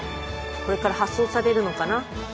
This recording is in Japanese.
これから発送されるのかな？